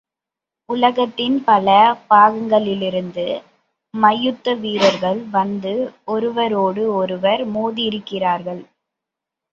உலகத்தின் பல பாகங்களிலிருந்து மல்யுத்த வீரர்கள் வந்து ஒருவரோடு ஒருவர் மோதியிருக்கிறார்கள்.